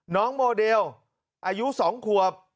น้องโมเดลอายุ๒ขวบ